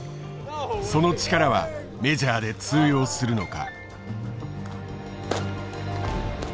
その力はメジャーで通用するのか。